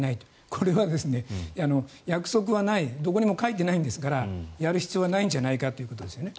これは約束はどこにも書いてないんですからやる必要はないんじゃないかということですね。